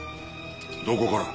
どこから？